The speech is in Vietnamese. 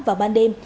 vào ban đêm